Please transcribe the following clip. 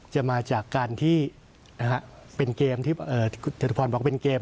จะมาจากการที่เป็นเกมที่จตุพรบอกเป็นเกม